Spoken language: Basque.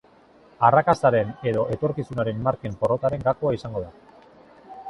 Arrakastaren edo etorkizunaren marken porrotaren gakoa izango da.